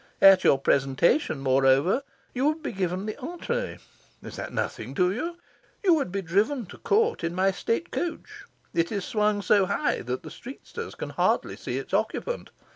At your presentation, moreover, you would be given the entree. Is that nothing to you? You would be driven to Court in my statecoach. It is swung so high that the streetsters can hardly see its occupant.